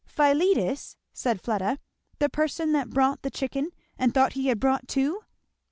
"Philetus!" said Fleda, "the person that brought the chicken and thought he had brought two?"